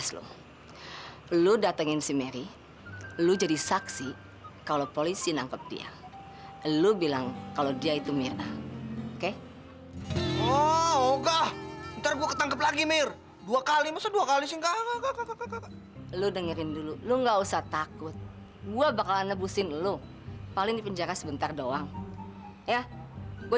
sampai jumpa di video selanjutnya